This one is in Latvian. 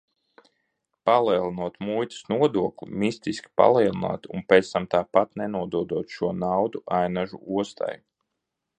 Palielinot muitas nodokli, mistiski palielinot, un pēc tam tāpat nenododot šo naudu Ainažu ostai.